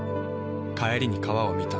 帰りに川を見た。